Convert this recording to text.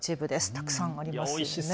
たくさんありますね。